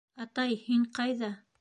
— Атай, һин ҡайҙа?